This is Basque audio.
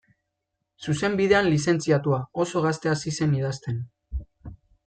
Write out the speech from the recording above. Zuzenbidean lizentziatua, oso gazte hasi zen idazten.